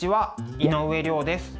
井上涼です。